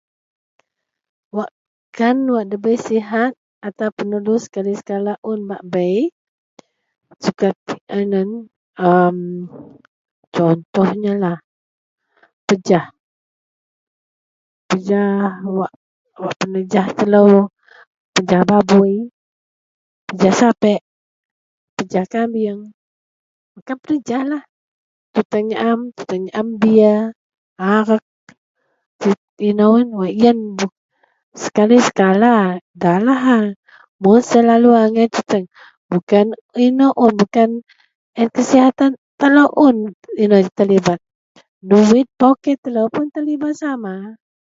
Wakkan wak ndabei sihat ataupun.. … [unintelligible] sekali-sekala un wak bei seperti a nen a contohnya lah pejah. Pejah wak penejah telou, pejah babui, pejah sapek, pejah kambieng, wakkan penejahlah. Tuteng nyaem, tuteng nyaem beer, arek, sek inou yen wak yen sekali sekala ndalah hal. Mun selalu angai tuteng, bukan inou un, bukan kesihatan telou un inou terlibat. Duwit poket telou pun terlibat sama